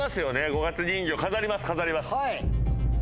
五月人形飾ります飾ります。